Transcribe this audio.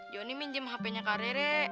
johnny minjem hp nya kak rere